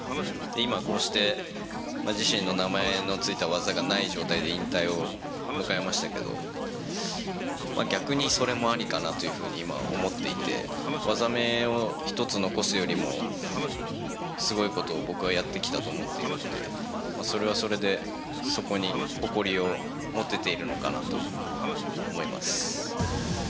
今、こうして自身の名前の付いた技がない状態で引退を迎えましたけど、逆にそれもありかなというふうに、今は思っていて、技名を一つ残すよりも、すごいことを僕はやってきたと思っているので、それはそれで、そこに誇りを持てているのかなと思います。